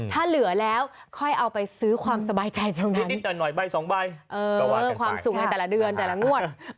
ถ้าเหลือแล้วค่อยเอาไปซื้อความสบายใจตรงนี้นิดหน่อยใบสองใบเพื่อความสุขในแต่ละเดือนแต่ละงวด